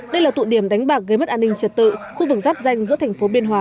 đây là tụ điểm đánh bạc gây mất an ninh trật tự khu vực giáp danh giữa thành phố biên hòa